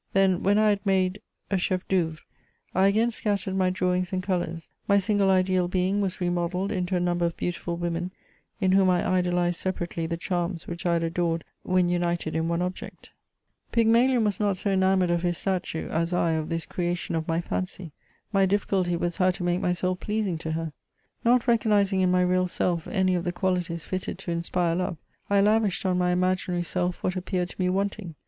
Then, when I had made a chef'd'ceuvre, I again scattered my drawings and colours ; my sangle ideal being was remodeUed into a number of beautiful women, in whom I idolized separately the charms which I had adored when united in one object. 134 MEMOIRS OF Pygmalion was not so enamoured of his statue as I of this creation of my fancy ; my difficulty was how to make myself pleasing to her. Not recognising in my real self any of the qualities fitted to mspire loye» I lavished on my imaginary self what appeared to me wanting.